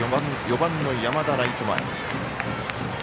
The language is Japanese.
４番の山田、ライト前。